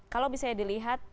kalau bisa dilihat